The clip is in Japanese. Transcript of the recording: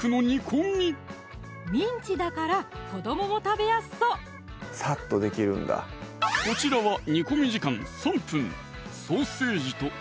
ミンチだから子どもも食べやすそうこちらは煮込み時間３分